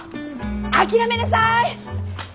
諦めなさい！